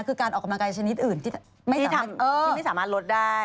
คือการออกกำลังกายชนิดอื่นที่ไม่สามารถลดได้